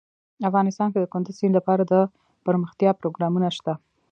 افغانستان کې د کندز سیند لپاره دپرمختیا پروګرامونه شته.